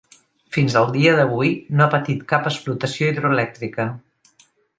Fins al dia d'avui, no ha patit cap explotació hidroelèctrica.